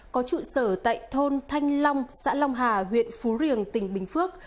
có trụ sở tại thôn thanh long xã long hà huyện phú riềng tỉnh bình phước